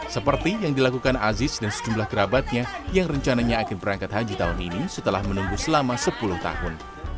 seperti yang dilakukan aziz dan sejumlah kerabatnya yang rencananya akan berangkat haji tahun ini setelah menunggu selama sepuluh tahun